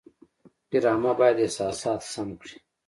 ډرامه باید احساسات سم کړي